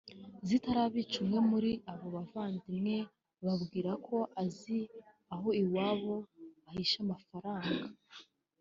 zitarabica umwe muri abo bavandimwe ababwira ko azi aho iwabo bahisha amafaranga